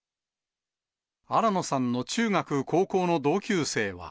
新野さんの中学、高校の同級生は。